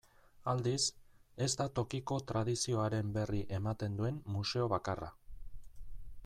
Aldiz, ez da tokiko tradizioaren berri ematen duen museo bakarra.